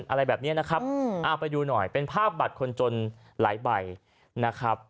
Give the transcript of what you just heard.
อะไรแบบนี้นะครับเอาไปดูหน่อยเป็นภาพบัตรคนจนหลายใบนะครับ